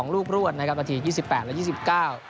๒ลูกรวดนะครับนาที๒๘และ๒๙